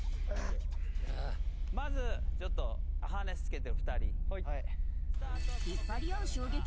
まずちょっとハーネス着けてる２人。